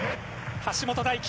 橋本大輝。